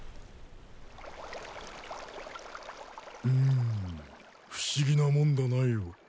うん不思議なもんだなよ。